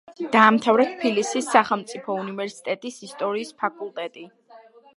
დაამთავრა თბილისის სახელმწიფო უნივერსიტეტის ისტორიის ფაკულტეტი.